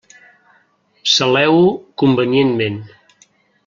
Saleu-ho convenientment.